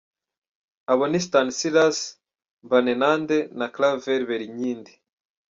Abo ni Stanislas Mbanenande na Claver Berinkidi.